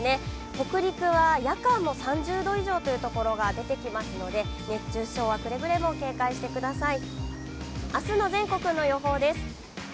北陸は夜間も３０度以上というところが出てきますので、熱中症はくれぐれも警戒してください。